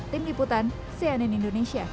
tim liputan cnn indonesia